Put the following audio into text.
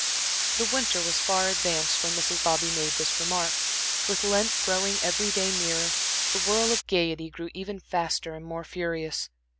The winter was far advanced when Mrs. Bobby made this remark. With Lent growing every day nearer, the whirl of gaiety grew ever faster and more furious.